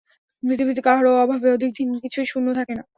পৃথিবীতে কাহারো অভাবে অধিক দিন কিছুই শূন্য থাকে না।